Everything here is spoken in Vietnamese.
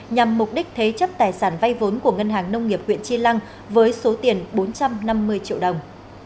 nhằm mục đích thế chấp tài sản vay vốn của ngân hàng nông nghiệp huyện chi lăng với số tiền bốn trăm năm mươi triệu đồng